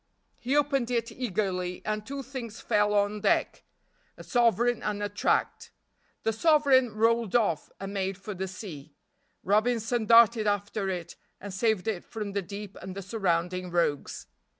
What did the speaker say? He opened it eagerly and two things fell on deck a sovereign and a tract. The sovereign rolled off and made for the sea. Robinson darted after it and saved it from the deep and the surrounding rogues.